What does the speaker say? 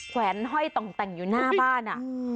แวนห้อยต่องแต่งอยู่หน้าบ้าน